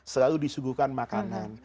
selalu disuguhkan makanan